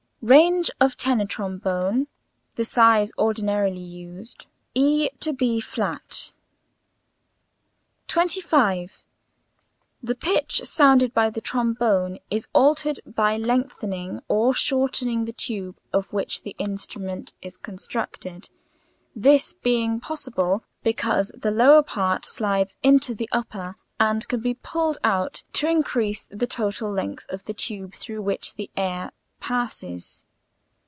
Range of tenor trombone (the size ordinarily used) E to b flat'] 25. The pitch sounded by the trombone is altered by lengthening or shortening the tube of which the instrument is constructed, this being possible because the lower part slides into the upper and can be pulled out to increase the total length of the tube through which the air passes.